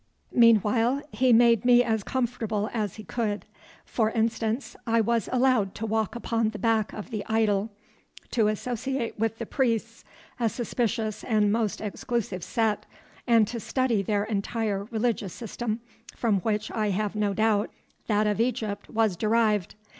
"Meanwhile, he made me as comfortable as he could. For instance, I was allowed to walk upon the back of the idol, to associate with the priests, a suspicious and most exclusive set, and to study their entire religious system, from which I have no doubt that of Egypt was derived.